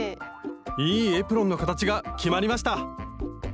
いいエプロンの形が決まりました